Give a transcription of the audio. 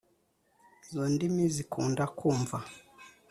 izo ndimi zikunda kumva